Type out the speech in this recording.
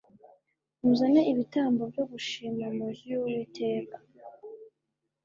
Muzane ibitambo byo gushima mu nzu y’Uwiteka